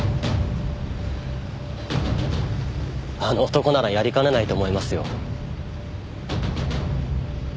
あの男ならやりかねないと思いますよ。